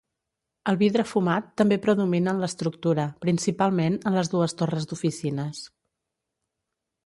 El vidre fumat també predomina en l'estructura, principalment en les dues torres d'oficines.